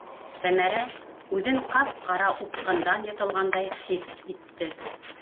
- Сәмәрә үҙен ҡап-ҡара упҡындан йотолғандай хис итте.